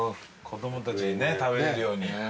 子供たちにね食べれるように。